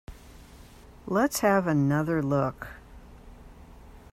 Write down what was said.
Let's have another look.